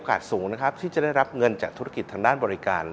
สูงนะครับที่จะได้รับเงินจากธุรกิจทางด้านบริการ